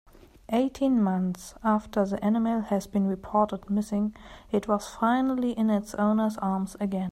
Eighteen months after the animal has been reported missing it was finally in its owner's arms again.